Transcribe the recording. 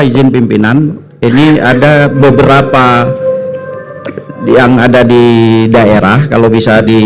jumlah suara tidak sah